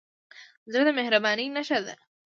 زړه د مهربانۍ نښه ده.